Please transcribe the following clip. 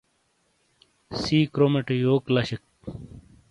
سی کرومے ٹے یوکوک لشیک